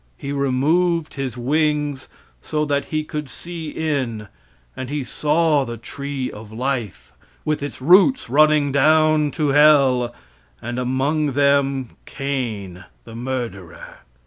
He moved his wings so that he could see in, and he saw the tree of life, with its roots running down to hell, and among them Cain, the murderer.